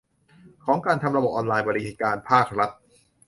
ของการทำระบบออนไลน์บริการภาครัฐ